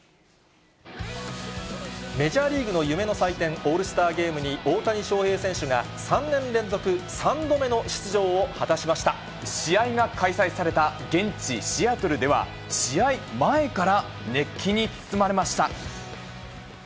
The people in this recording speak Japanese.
メジャーリーグの夢の祭典、オールスターゲームに大谷翔平選手が３年連続３度目の出場を果た試合が開催された現地シアトルでは、試合前から熱気に包まれました。